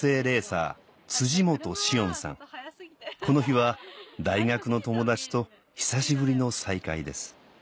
この日は大学の友達と久しぶりの再会です